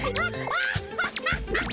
アハハハハハ。